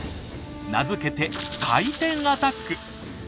名付けて「回転アタック」。